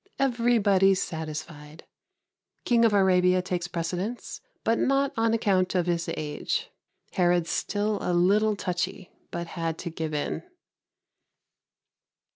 Everybody satisfied. King of Arabia takes precedence, but not on account of his age. Herod still a little touchy, but had to give in.